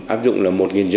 áp dụng là một năm trăm linh